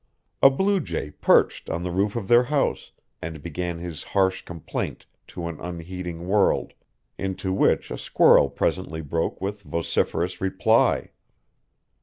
A blue jay perched on the roof of their house and began his harsh complaint to an unheeding world, into which a squirrel presently broke with vociferous reply.